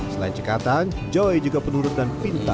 selain cekatan joy juga penurut dan pintar